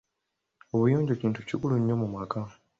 Obuyonjo kintu kikulu nnyo mu maka.